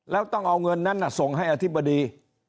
แล้วต้องเอาเงินนั้นส่งให้อธิบดี